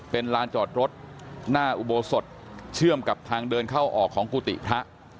เป็นลานจอดรถหน้าอุโบสถเชื่อมกับทางเดินเข้าออกของกุฏิพระ